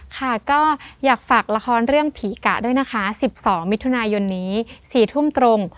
ค่ะก็อยากฝากละครเรื่องผีกะด้วยนะคะ๑๒มิถุนายนนี้๔ทุ่มตรง